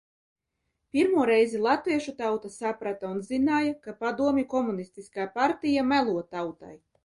Pirmo reizi latviešu tauta saprata un zināja, ka padomju komunistiskā partija melo tautai.